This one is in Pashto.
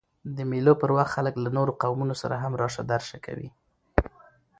د مېلو پر وخت خلک له نورو قومونو سره هم راسه درسه کوي.